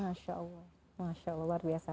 masya allah masya allah luar biasa